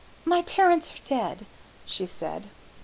"My parents are dead," she said.